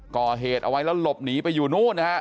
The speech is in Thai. ก่อเหตุเอาไว้แล้วหลบหนีไปอยู่นู้นนะฮะ